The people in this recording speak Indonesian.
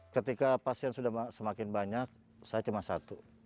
ketika pasien sudah semakin banyak saya cuma satu